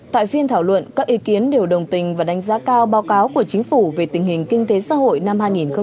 tại phiên thảo luận các ý kiến đều đồng tình và đánh giá cao báo cáo của chính phủ về tình hình kinh tế xã hội năm hai nghìn một mươi chín